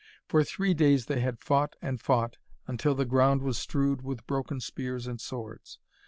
For three days they had fought and fought, until the ground was strewed with broken spears and swords.